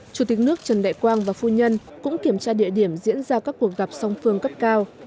chủ tịch nước trần đại quang và phu nhân cũng kiểm tra địa điểm diễn ra các cuộc gặp song phương cấp cao